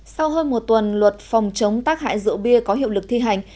sau hơn một tuần luật phòng chống tác hại rượu bia có hiệu lực thi hành